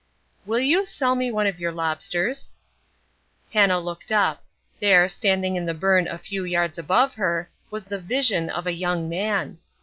"Will you sell me one of your lobsters?" Hannah looked up. There, standing in the burn a few yards above her, was the vision of a young man.